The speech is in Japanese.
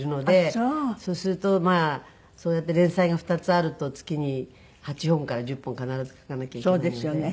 そうするとそうやって連載が２つあると月に８本から１０本必ず書かなきゃいけないので。